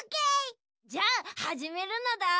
じゃあはじめるのだ。